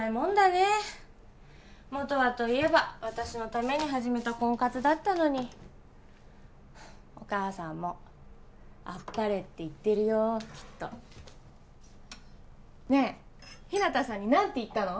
ねもとはといえば私のために始めた婚活だったのにお母さんも「あっぱれ」って言ってるよきっとねえ日向さんに何て言ったの？